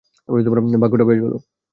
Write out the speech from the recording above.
ভাগ্যটা বেশ ভালো!